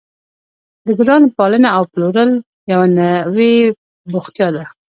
د ګلانو پالنه او پلورل یوه نوې بوختیا ده.